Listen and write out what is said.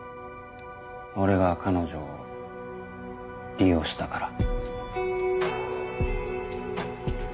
俺が彼女を利用したから。